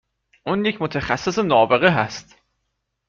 اون یک متخصص نابغه هست